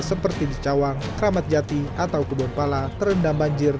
seperti dicawang kramatjati atau kebun pala terendam banjir